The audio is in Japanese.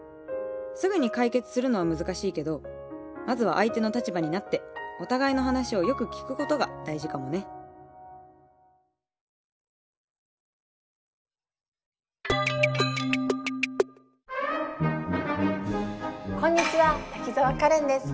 すぐに解決するのは難しいけどまずは相手の立場になってお互いの話をよく聞くことが大事かもねこんにちは滝沢カレンです。